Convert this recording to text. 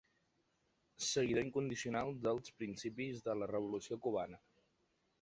Seguidor incondicional dels principis de la revolució cubana.